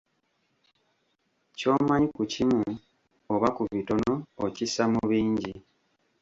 Ky'omanyi ku kimu oba ku bitono, okissa mu bingi.